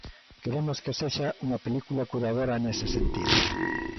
Queremos que sexa unha película curadora nese sentido.